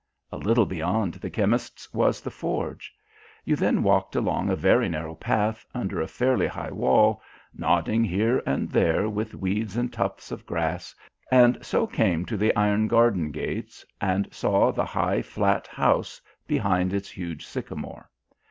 A little beyond the chemist's was the forge. You then walked along a very narrow path, under a fairly high wall, nodding here and there with weeds and tufts of grass, and so came to the iron garden gates, and saw the high flat house behind its huge sycamore.